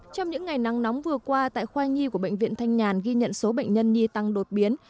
trong những ngày nắng nóng vừa qua tại khoa nhi của bệnh viện thanh nhàn ghi nhận số bệnh nhân nhi tăng đột biến